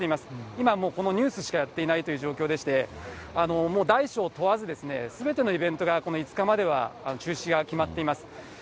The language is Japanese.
今、もうこのニュースしかやっていないという状況でして、もう大小問わずすべてのイベントが、この５日までは中止が決まっています。